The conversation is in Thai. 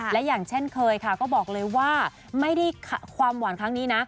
และอย่างเช่นเคยค่ะก็บอกเลยว่าไม่ได้ความหวานครั้งนี้นะ